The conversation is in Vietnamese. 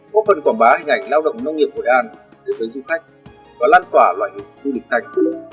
một phần quảng bá hình ảnh lao động nông nghiệp hội an đến với du khách và lan tỏa loại hình du lịch xanh